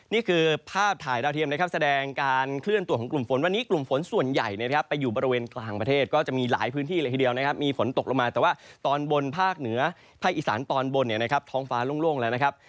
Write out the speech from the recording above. นี่คือภาพถ่ายดาวเทียมนะครับแสดงการเคลื่อนตัวของกลุ่มฝนวันนี้กลุ่มฝนส่วนใหญ่นะครับไปอยู่บริเวณกลางประเทศก็จะมีหลายพื้นที่เลยทีเดียวนะครับมีฝนตกลงมาแต่ว่าตอนบนภาคเหนือภาคอีสานตอนบนเนี่ยนะครับท้องฟ้าโล่งแล้วนะครับ